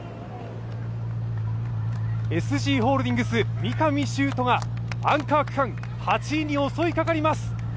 ＳＧホールディングス、三上嵩斗がアンカー区間、８位に襲いかかります。